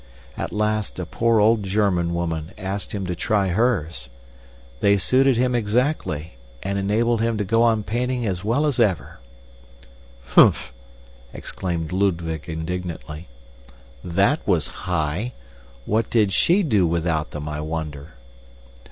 At last, a poor old German woman asked him to try hers. They suited him exactly, and enabled him to go on painting as well as ever." "Humph!" exclaimed Ludwig indignantly. "That was high! What did SHE do without them, I wonder?"